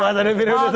berkuasa dua periode